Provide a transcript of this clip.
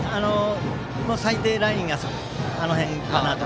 最低ラインがあの辺かなと。